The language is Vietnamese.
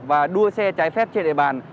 và đua xe trái phép trên địa bàn